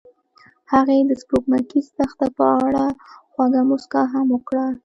هغې د سپوږمیز دښته په اړه خوږه موسکا هم وکړه.